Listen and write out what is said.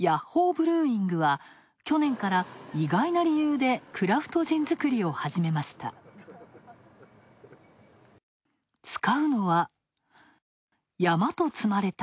ブルーイングは去年から意外な理由でクラフトジン造りを始めました。